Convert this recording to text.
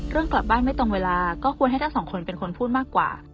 กลับบ้านไม่ตรงเวลาก็ควรให้ทั้งสองคนเป็นคนพูดมากกว่า